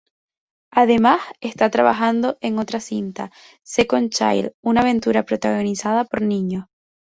Además, está trabajando en otra cinta, "Second Child", "una aventura protagoniza por niños".